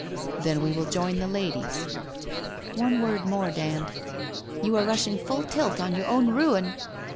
Then we will join the ladies/ * One word more, Dand. You are rushing full tilt on your own ruin